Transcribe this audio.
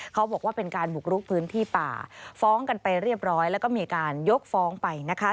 เขาบอกว่าเป็นการบุกลุกพื้นที่ป่าฟ้องกันไปเรียบร้อยแล้วก็มีการยกฟ้องไปนะคะ